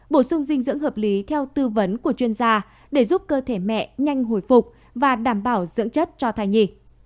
bổ sung dinh dưỡng hợp lý theo tư vấn của chuyên gia để giúp cơ thể mẹ nhanh hồi phục và đảm bảo dưỡng chất cho thai nhì